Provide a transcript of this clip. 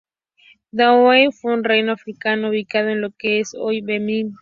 Dahomey fue un reino Africano ubicado en lo que es hoy Benín.